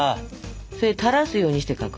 それで垂らすようにして描く。